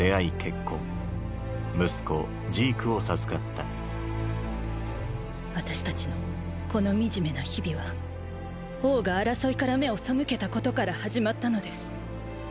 息子ジークを授かった私たちのこの惨めな日々は王が争いから目を背けたことから始まったのです。